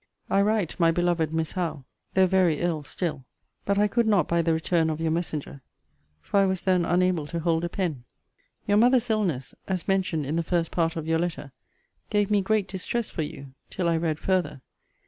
I write, my beloved Miss Howe, though very ill still: but I could not by the return of your messenger; for I was then unable to hold a pen. Your mother's illness (as mentioned in the first part of your letter,) gave me great distress for you, till I read farther.